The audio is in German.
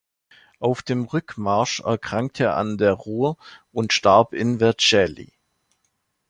Auf dem Rückmarsch erkrankte er an der Ruhr und starb in Vercelli.